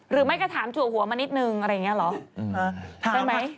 หรือไม่ก็ถามจุกหัวมันนิดหนึ่งอะไรอย่างนี้เหรอ